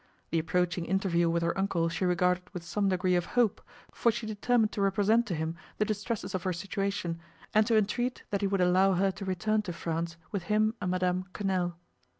The approaching interview with her uncle she regarded with some degree of hope, for she determined to represent to him the distresses of her situation, and to entreat that he would allow her to return to France with him and Madame Quesnel.